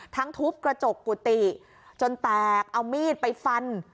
ทุบกระจกกุฏิจนแตกเอามีดไปฟัน